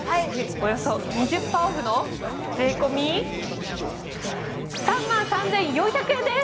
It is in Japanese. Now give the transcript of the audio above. およそ２０％オフの税込３万３４００円です！